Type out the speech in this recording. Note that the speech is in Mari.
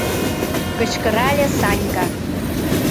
— кычкырале Санька.